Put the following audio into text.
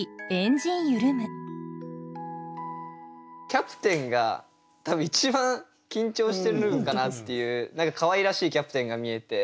キャプテンが多分一番緊張してるのかなっていう何かかわいらしいキャプテンが見えて。